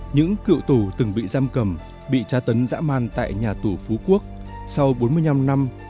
những cựu tù từng bị giam cầm bị tra tấn dã man tại nhà tù phú quốc sau bốn mươi năm năm